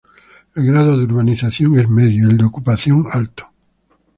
El grado de urbanización es medio y el de ocupación es alto.